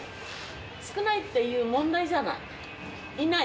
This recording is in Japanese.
少ないっていう問題じゃない。